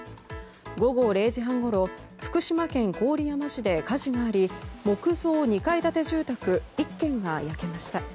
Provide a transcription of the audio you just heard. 午後０時半ごろ、福島県郡山市で火事があり木造２階建て住宅１軒が焼けました。